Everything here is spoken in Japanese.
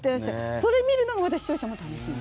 それを見るのが、また視聴者も楽しみ。